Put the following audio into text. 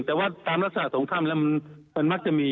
แต่ว่าตามรักษาโถงท่ำนั้นมักจะมี